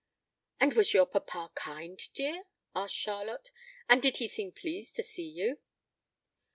"And was your papa kind, dear?" asked Charlotte, "and did he seem pleased to see you?"